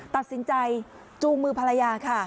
ตัดสินใจจูงมือภรรยาค่ะ